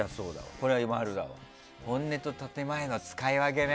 これは○だわ本音と建前の使い分けね。